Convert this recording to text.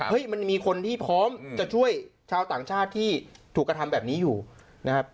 มันมีคนที่พร้อมจะช่วยชาวต่างชาติที่ถูกกระทำแบบนี้อยู่นะครับ